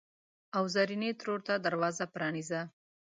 او زرینې ترور ته دروازه پرانیزه!